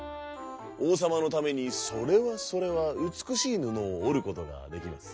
おうさまのためにそれはそれはうつくしいぬのをおることができます」。